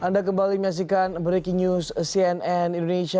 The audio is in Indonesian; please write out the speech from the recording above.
anda kembali menyaksikan breaking news cnn indonesia